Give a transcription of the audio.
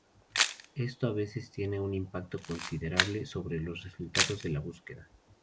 Esto a veces tiene un impacto considerable sobre los resultados de la búsqueda.